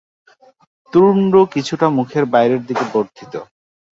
তুণ্ড কিছুটা মুখের বাইরের দিকে বর্ধিত।